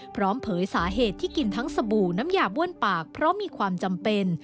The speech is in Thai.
เผยสาเหตุที่กินทั้งสบู่น้ำยาบ้วนปากเพราะมีความจำเป็น